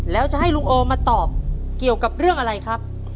แล้วจะให้ลุงโอมาตอบเกี่ยวกับเรื่องอะไรครับ